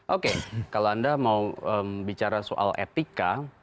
oke kalau anda mau bicara soal etika